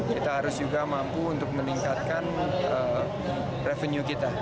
kita harus juga mampu untuk meningkatkan revenue kita